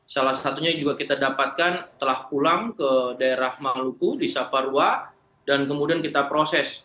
salah satunya juga kita dapatkan telah pulang ke daerah mangluku di saparwa dan kemudian kita proses